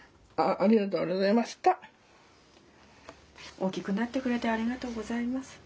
大きくなってくれてありがとうございます。